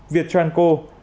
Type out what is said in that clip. việt tran co